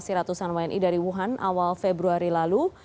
si ratusan wni dari wuhan awal februari lalu